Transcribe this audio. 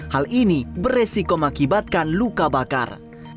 hal ini beresiko mengakibatkan luka bakar